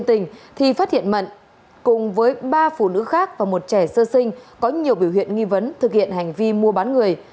thì phát hiện mận cùng với ba phụ nữ khác và một trẻ sơ sinh có nhiều biểu hiện nghi vấn thực hiện hành vi mua bán người